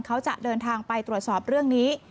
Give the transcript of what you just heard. เขาจะเดินทางไปตรวจสอบเรื่องนี้